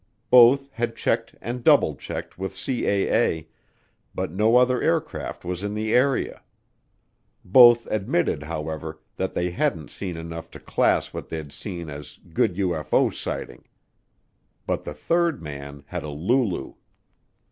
Both had checked and double checked with CAA, but no other aircraft was in the area. Both admitted, however, that they hadn't seen enough to class what they'd seen as good UFO sighting. But the third man had a lulu.